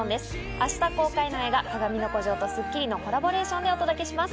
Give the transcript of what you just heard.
明日公開の映画『かがみの孤城』と『スッキリ』のコラボレーションでお届けします。